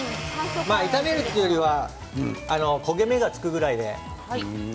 炒めるというよりは焦げ目がつくぐらいで。